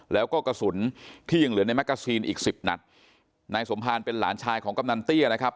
แล้วก็กระสุนที่ยังเหลือในแกซีนอีกสิบนัดนายสมภารเป็นหลานชายของกำนันเตี้ยนะครับ